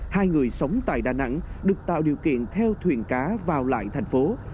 hai người sống tại đà nẵng được tạo điều kiện theo thuyền cá vào lại thành phố